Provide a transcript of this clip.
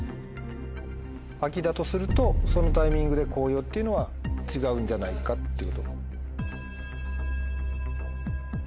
秋だとするとそのタイミングで紅葉っていうのは違うんじゃないかって。